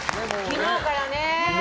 昨日からね。